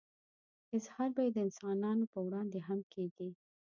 اظهار به يې د انسانانو په وړاندې هم کېږي.